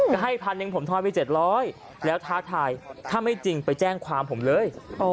ก็ให้พันหนึ่งผมทอนไป๗๐๐แล้วท้าทายถ้าไม่จริงไปแจ้งความผมเลย